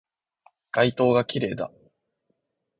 街灯が綺麗だ